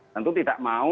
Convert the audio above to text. tentu tidak mau